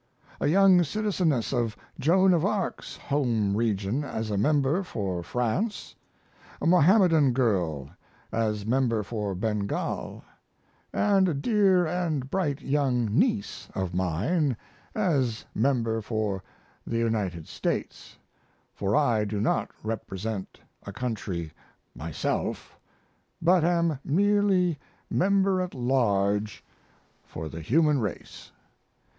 a young citizeness of Joan of Arc's home region as a member for France; a Mohammedan girl as member for Bengal; & a dear & bright young niece of mine as member for the United States for I do not represent a country myself, but am merely member at large for the human race.